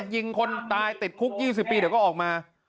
ยิงคนตายติดคุก๒๐ปีเดี๋ยวก็ออกมา